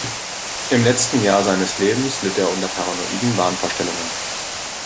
Im letzten Jahr seines Lebens litt er unter paranoiden Wahnvorstellungen.